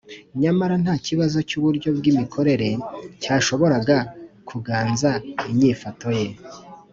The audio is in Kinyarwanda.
nyamara, nta kibazo cy’uburyo bw’imikorere cyashoboraga kuganza inyifato ye